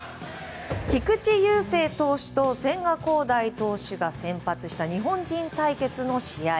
そして、菊池雄星投手と千賀滉大投手が先発した日本人対決の試合。